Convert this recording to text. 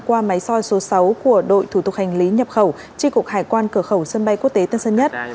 qua máy soi số sáu của đội thủ tục hành lý nhập khẩu tri cục hải quan cửa khẩu sân bay quốc tế tân sơn nhất